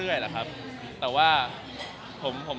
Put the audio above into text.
คือแฟนคลับเขามีเด็กเยอะด้วย